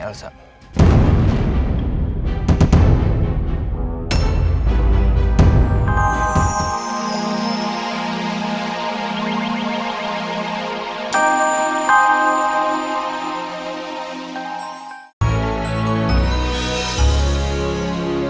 tidak tidak tidak tidak